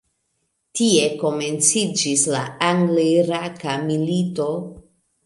Tie komenciĝis la Angl-Iraka Milito.